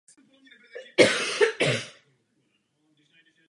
Pošlapává lidská práva a zachovává trest smrti.